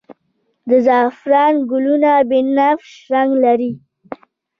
د زعفران ګلونه بنفش رنګ لري